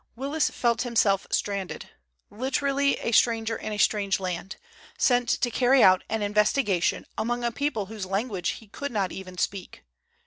Willis felt himself stranded, literally a stranger in a strange land, sent to carry out an investigation among a people whose language he could not even speak!